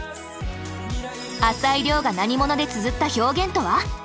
朝井リョウが「何者」でつづった表現とは？